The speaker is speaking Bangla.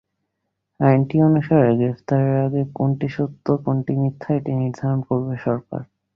আইনটি অনুসারে গ্রেপ্তারের আগে কোনটি সত্য, কোনটি মিথ্যা—এটি নির্ধারণ করবে সরকার।